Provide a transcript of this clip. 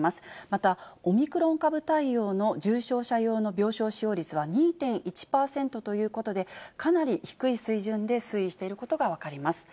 またオミクロン株対応の重症者用の病床使用率は２．１％ということで、かなり低い水準で推移していることが分かります。